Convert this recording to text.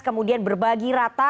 kemudian berbagi rata